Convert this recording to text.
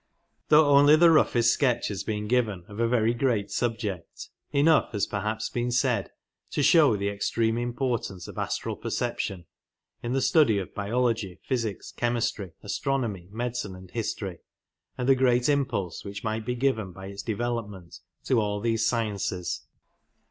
Though only the roughest sketch has been given of a very great subject, enough has perhaps been said to show the extreme importance of astral perception in the study of biology, physics, chemistry, astronomy, medicine and history, and the great impulse which might be given by its development to all these sciences.